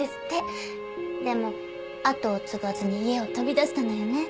でも後を継がずに家を飛び出したのよね。